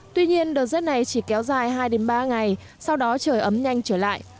tuy nhiên đợt rét này chỉ kéo dài hai ba ngày sau đó trời ấm nhanh trở lại